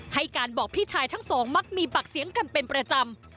ให้การบอกพี่ชายทั้งสองมักมีปากเสียงกันเป็นประจำ